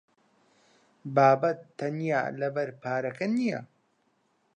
بابەت تەنیا لەبەر پارەکە نییە.